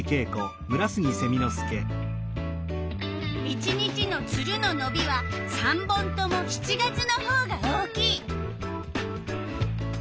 １日のツルののびは３本とも７月のほうが大きい。